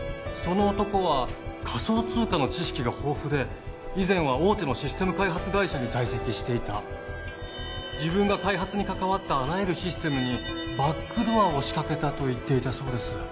その男は仮想通貨の知識が豊富で以前は大手のシステム開発会社に在籍していた自分が開発に関わったあらゆるシステムにバックドアを仕掛けたと言っていたそうです